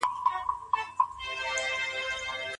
ادبیاتو پوهنځۍ په زوره نه تحمیلیږي.